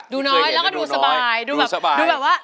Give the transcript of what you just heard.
ดูน้อยแล้วก็ดูสบายดูแบบดูแบบว่า